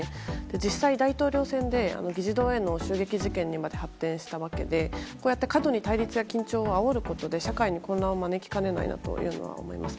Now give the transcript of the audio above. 実際、大統領選で議事堂への襲撃事件にまで発展したわけで過度に対立や緊張をあおることで社会に混乱を招きかねないなというのは思います。